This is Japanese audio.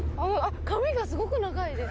髪がすごく長いです。